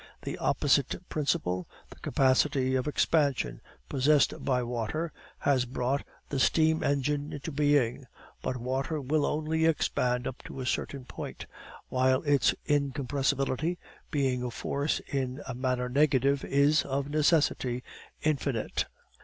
The opposite principle, the capacity of expansion possessed by water, has brought the steam engine into being. But water will only expand up to a certain point, while its incompressibility, being a force in a manner negative, is, of necessity, infinite."